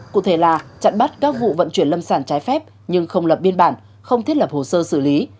cụ thể là chặn bắt các vụ vận chuyển lâm sản trái phép nhưng không lập biên bản không thiết lập hồ sơ xử lý